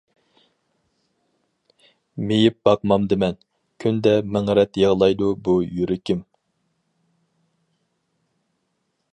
مېڭىپ باقمامدىمەن. كۈندە مىڭ رەت يىغلايدۇ بۇ يۈرىكىم.